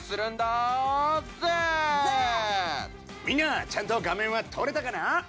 みんなちゃんと画面は撮れたかな？